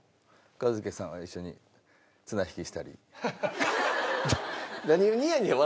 一茂さんは一緒に綱引きしたり？